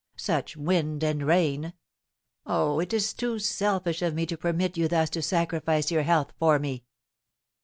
Such wind and rain! Oh, it is too selfish of me to permit you thus to sacrifice your health for me!"